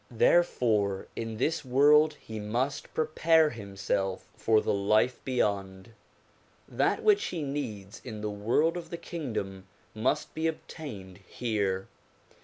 Therefore in this world he must prepare himself for the life beyond. That which he needs in the world of the kingdom must be obtained here.